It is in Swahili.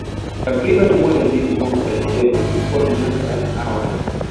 Takriban mwezi mmoja mapema kuliko miaka ya awali